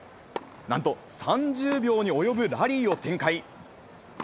なんと３０秒に及ぶラリーを展開。